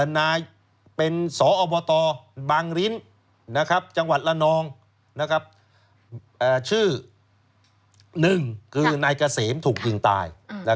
นายเป็นสอบตบางลิ้นจังหวัดละนองชื่อ๑คือนายเกษมถูกยิงตาย